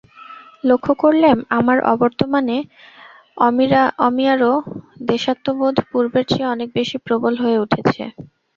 লক্ষ্য করলেম, আমার অবর্তমানে অমিয়ারও দেশাত্মবোধ পূর্বের চেয়ে অনেক বেশি প্রবল হয়ে উঠেছে।